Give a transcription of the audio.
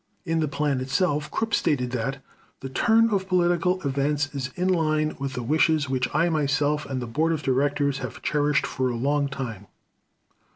In the plan itself Krupp stated that "the turn of political events is in line with the wishes which I myself and the board of directors have cherished for a long time."